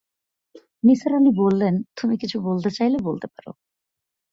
নিসার আলি বললেন, তুমি কিছু বলতে চাইলে বলতে পার।